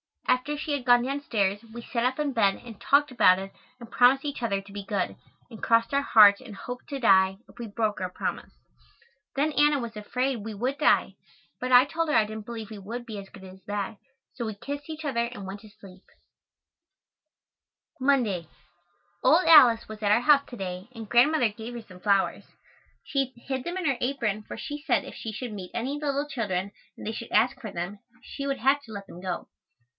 After she had gone downstairs we sat up in bed and talked about it and promised each other to be good, and crossed our hearts and "hoped to die" if we broke our promise. Then Anna was afraid we would die, but I told her I didn't believe we would be as good as that, so we kissed each other and went to sleep. [Illustration: Mr. Noah T. Clarke, Miss Upham] Monday. "Old Alice" was at our house to day and Grandmother gave her some flowers. She hid them in her apron for she said if she should meet any little children and they should ask for them she would have to let them go.